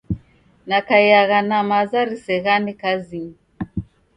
Nakaiagha na maza riseghane kazinyi.